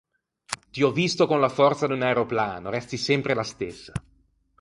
Ti ho visto con la forza di un aeroplano, resti sempre la stessa